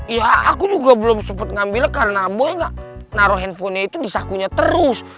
ya aku juga belum sempet ngambil karena boy gak naro handphonenya itu disakunya terus